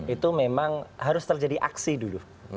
itu memang harus terjadi aksi dulu